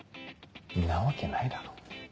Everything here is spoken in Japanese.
んなわけないだろ。